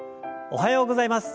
おはようございます。